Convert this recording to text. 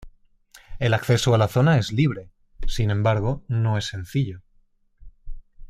El acceso a la zona es libre, sin embargo no es sencillo.